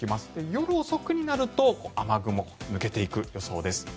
夜遅くになると雨雲抜けていく予想です。